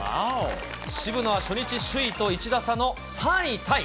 渋野は初日首位と１打差の３位タイ。